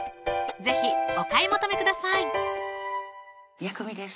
是非お買い求めください薬味です